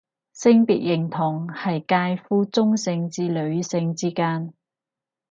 性別認同係界乎中性至女性之間